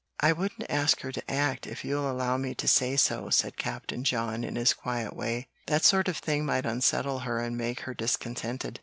"I wouldn't ask her to act, if you'll allow me to say so," said Captain John, in his quiet way. "That sort of thing might unsettle her and make her discontented.